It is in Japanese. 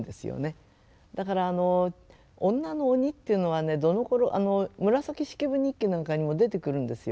だからあの女の鬼っていうのはね「紫式部日記」なんかにも出てくるんですよ